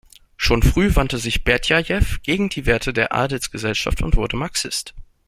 Schon früh wandte sich Berdjajew gegen die Werte der Adelsgesellschaft und wurde Marxist.